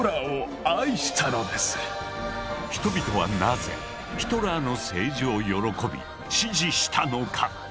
人々はなぜヒトラーの政治を喜び支持したのか？